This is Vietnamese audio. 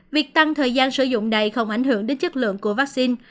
việc tăng thời gian sử dụng này không ảnh hưởng đến chất lượng của vắc xin